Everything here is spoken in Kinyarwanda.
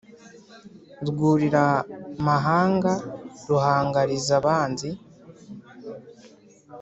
rwurira-mahanga, ruhangariza-banzi